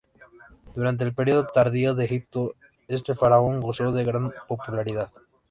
Durante el periodo tardío de Egipto, este faraón, gozó de gran popularidad.